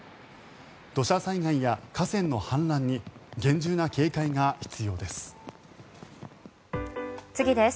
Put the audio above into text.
土砂災害や河川の氾濫に厳重な警戒が必要です。